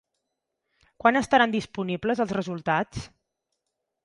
Quan estaran disponibles els resultats?